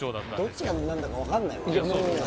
どっちが何なのか分からないわ。